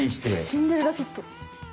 シンデレラフィット！